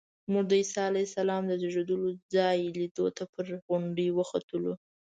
موږ د عیسی علیه السلام د زېږېدلو ځای لیدو ته پر غونډۍ وختلو.